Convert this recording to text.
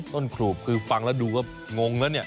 ขูบคือฟังแล้วดูก็งงแล้วเนี่ย